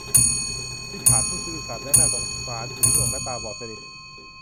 ริชาร์ดผู้ซื่อสัตย์และน่าสงสารหูหนวกและตาบอดสนิท